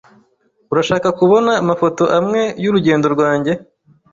Urashaka kubona amafoto amwe y'urugendo rwanjye?